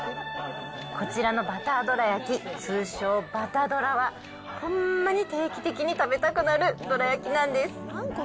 こちらのバターどらやき、通称、バタどらは、ほんまに定期的に食べたくなるどら焼きなんです。